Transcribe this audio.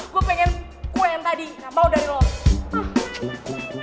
gua pengen kue yang tadi mau dari lo